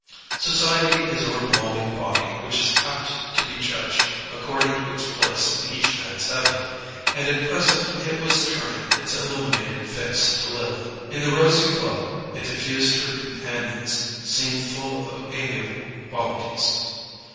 Society is a revolving body which is apt to be judged according to its place in each man's heaven; and at present it was turning its illuminated face to Lily. In the rosy glow it diffused her companions seemed full of amiable qualities.